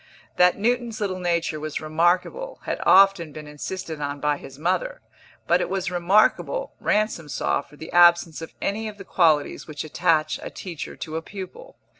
That Newton's little nature was remarkable had often been insisted on by his mother; but it was remarkable, Ransom saw, for the absence of any of the qualities which attach a teacher to a pupil.